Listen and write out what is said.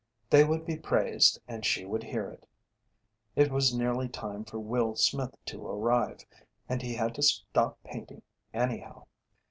They would be praised and she would hear it. It was nearly time for Will Smith to arrive, and he had to stop painting, anyhow.